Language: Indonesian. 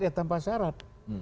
ya tanpa syarat